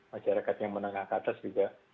masyarakat yang menengah ke atas juga